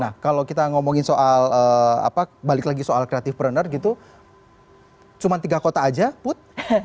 nah kalau kita ngomongin soal apa balik lagi soal creative pruner gitu cuma tiga kota aja put